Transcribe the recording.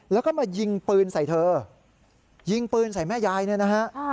แล้วก็มายิงปืนใส่เธอยิงปืนใส่แม่ยายเนี่ยนะฮะ